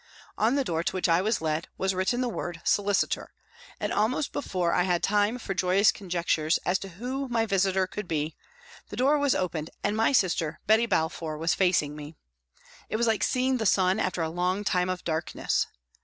On the door to which I was led was written the word " Solicitor," and almost before I had time for joyous conjectures as to who my " visitor " could be, the door was opened and my sister, Betty Balfour, was facing me. It was like seeing the sun after a long time of darkness.